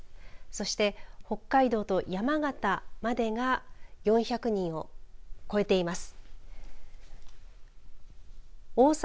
そして、北海道と山形までが４００人を超えています。